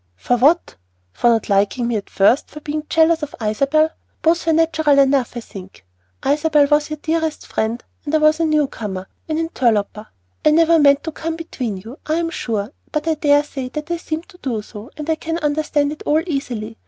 "For what, for not liking me at first; for being jealous of Isabel? Both were natural enough, I think. Isabel was your dearest friend; and I was a new comer, an interloper. I never meant to come between you, I am sure; but I daresay that I seemed to do so, and I can understand it all easily.